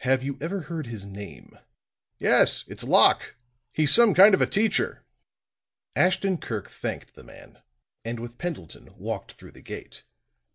"Have you ever heard his name?" "Yes. It's Locke. He's some kind of a teacher." Ashton Kirk thanked the man, and with Pendleton walked through the gate.